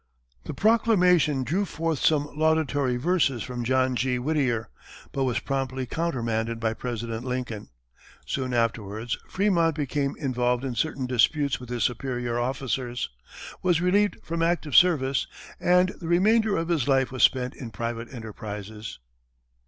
The proclamation drew forth some laudatory verses from John G. Whittier, but was promptly countermanded by President Lincoln. Soon afterwards, Frémont became involved in personal disputes with his superior officers, was relieved from active service, and the remainder of his life was spent in private enterprises.